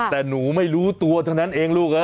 แต่หนูไม่รู้ตัวเท่านั้นเองลูก